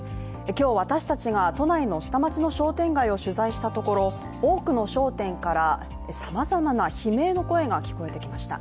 今日、私たちが都内の下町の商店街を取材したところ多くの商店からさまざまな悲鳴の声が聞こえてきました。